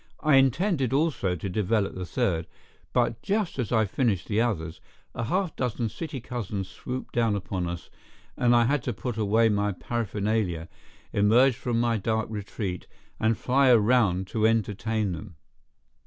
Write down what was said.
I intended also to develop the third, but just as I finished the others, a half dozen city cousins swooped down upon us and I had to put away my paraphernalia, emerge from my dark retreat and fly around to entertain them.